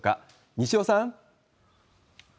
西尾さん。